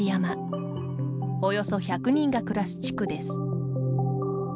およそ１００人が暮らす地区です。